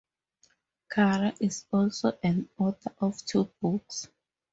Cara is also an author of two books.